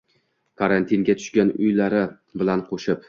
karantinga tushgan uylari bilan qoʼshib